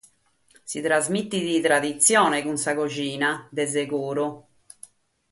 Si trasmitit traditzione cun sa coghina, de seguru.